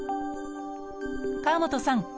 河本さん